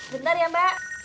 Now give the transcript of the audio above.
bentar ya mbak